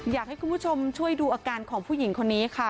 อยากให้คุณผู้ชมช่วยดูอาการของผู้หญิงคนนี้ค่ะ